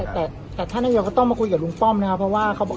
แต่ท่านนายกก็ต้องมาคุยกับลุงป้อมนะครับเพราะว่าเขาบอก